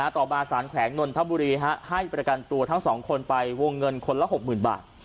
ต่อมาสารแขวงนนทบุรีให้ประกันตัวทั้ง๒คนไปวงเงินคนละ๖๐๐๐บาท